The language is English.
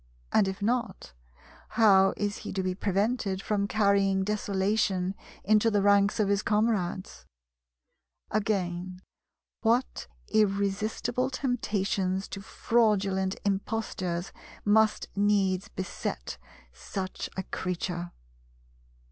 And if not, how is he to be prevented from carrying desolation into the ranks of his comrades? Again, what irresistible temptations to fraudulent impostures must needs beset such a creature!